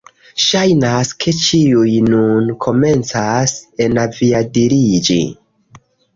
Ŝajnas, ke ĉiuj nun komencas enaviadiliĝi